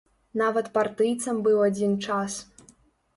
Нават партыйцам быў адзін час.